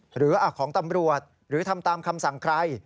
หรือของตำรวจหรือทำตามคำสั่งใคร